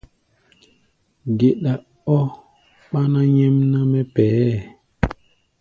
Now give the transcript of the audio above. Geɗa ɔ́ ɓáná nyɛmná mɛ́ pɛʼɛ́ɛ.